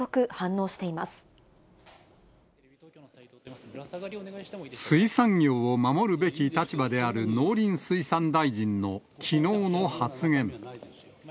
こうした中、水産業を守るべき立場である農林水産大臣のきのうの発言。